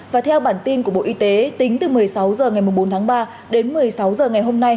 và theo bản tin của bộ y tế tính từ một mươi sáu h ngày bốn tháng ba đến một mươi sáu h ngày hôm nay